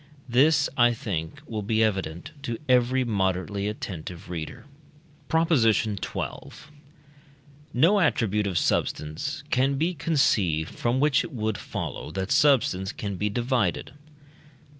This, I think, will be evident to every moderately attentive reader. PROP. XII. No attribute of substance can be conceived from which it would follow that substance can be divided.